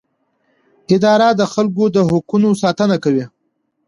اداره د خلکو د حقونو ساتنه کوي.